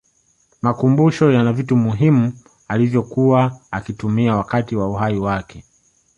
makumbusho yana vitu muhimu alivyokuwa akitumia wakati wa uhai wake